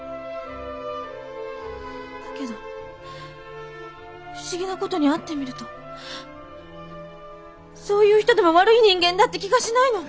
だけど不思議な事に会ってみるとそういう人でも悪い人間だって気がしないの。